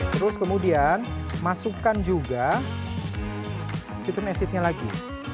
terus kemudian masukkan juga citron acidnya lagi